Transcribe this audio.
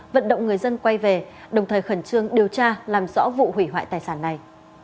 vận động người dân quay về đồng thời khẩn trương điều tra làm rõ vụ hủy hoại tài sản này